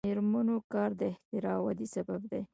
د میرمنو کار د اختراع ودې سبب دی.